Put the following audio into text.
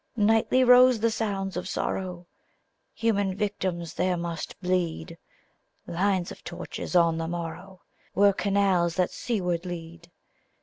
Nightly rose the sounds of sorrow, Human victims there must bleed : Lines of torches, on the morrow, Were canals that seaward lead.